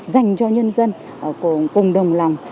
dành cho nhân dân của cộng đồng lòng